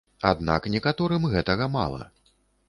Аднак некаторым гэтага мала.